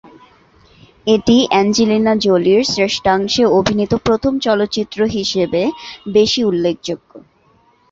এটি অ্যাঞ্জেলিনা জোলির শ্রেষ্ঠাংশে অভিনীত প্রথম চলচ্চিত্র হিসেবে বেশি উল্লেখযোগ্য।